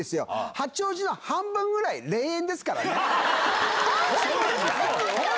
八王子の半分ぐらい、霊園ですかそうなんだ？